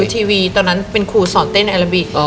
ทีวีตอนนั้นเป็นครูสอนเต้นในอาราบิก